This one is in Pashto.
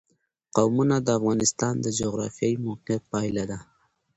قومونه د افغانستان د جغرافیایي موقیعت پایله ده.